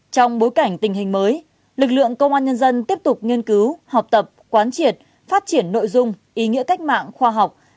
trong bối cảnh tình hình mới lực lượng công an nhân dân tiếp tục nghiên cứu học tập quán triệt phát triển nội dung ý nghĩa cách mạng khoa học